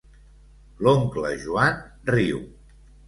L'oncle Joan riu.